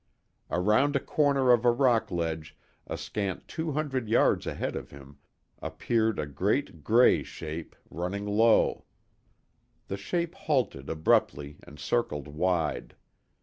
Around a corner of a rock ledge a scant two hundred yards ahead of him, appeared a great grey shape, running low. The shape halted abruptly and circled wide.